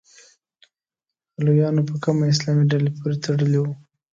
علویانو په کومه اسلامي ډلې پورې تړلي وو؟